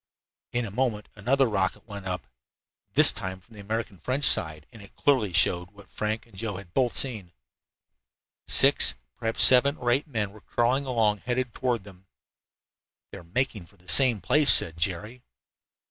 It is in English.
In a moment another rocket went up, this time from the American French side, and it clearly showed what Joe and Frank both had seen. Six, perhaps seven or eight, men were crawling along, headed toward them. "They are making for the same place," said Jerry.